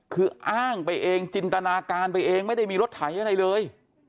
คืออ้างไปเองจินตนาการไปเองไม่ได้มีรถไถอะไรเลย